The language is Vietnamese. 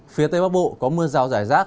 phía tây bắc bộ có mưa rào rải rác